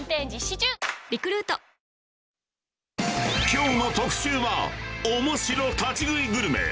きょうの特集は、おもしろ立ち食いグルメ。